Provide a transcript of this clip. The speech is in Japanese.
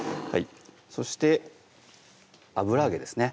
そして油揚げですね